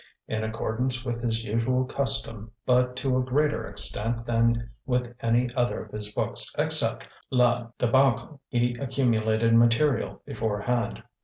In accordance with his usual custom but to a greater extent than with any other of his books except La Débâcle he accumulated material beforehand.